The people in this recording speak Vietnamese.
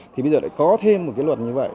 thì bây giờ có thêm một luật như vậy